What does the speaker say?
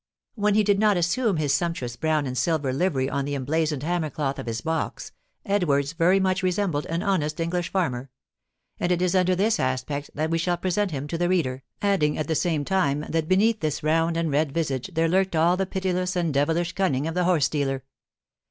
When he did not assume his sumptuous brown and silver livery on the emblazoned hammercloth of his box, Edwards very much resembled an honest English farmer; and it is under this aspect that we shall present him to the reader, adding, at the same time, that beneath this round and red visage there lurked all the pitiless and devilish cunning of the horse dealer.